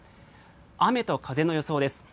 雨と風の予想です。